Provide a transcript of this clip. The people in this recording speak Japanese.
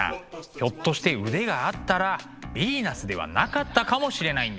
ひょっとして腕があったらヴィーナスではなかったかもしれないんです。